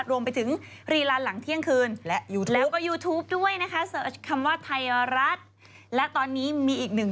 รวมไปถึงถูกต้อง